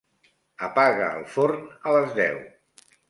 Apaga el forn a les deu.